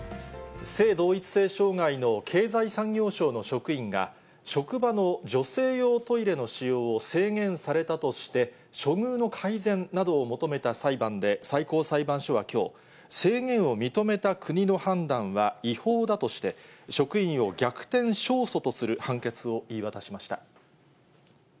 性同一性障害の経済産業省の職員が、職場の女性用トイレの使用を制限されたとして、処遇の改善などを求めた裁判で最高裁判所はきょう、制限を認めた国の判断は違法だとして、職員を逆転勝訴とする判決を言い渡しました。